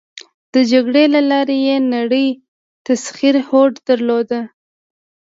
د جګړې له لارې یې نړی تسخیر هوډ درلود.